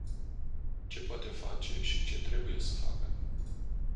Ce poate face și ce trebuie să facă?